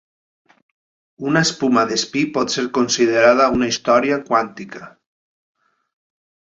Una espuma d'espí pot ser considerada una història quàntica.